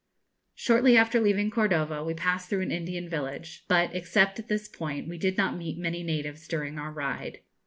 Shortly after leaving Cordova we passed through an Indian village; but, except at this point, we did not meet many natives during our ride.